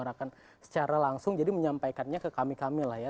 masyarakat secara langsung jadi menyampaikannya ke kami kami lah ya